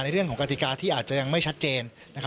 เรื่องของกติกาที่อาจจะยังไม่ชัดเจน